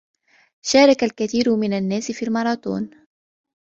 شارك الكثير من الناس في الماراثون.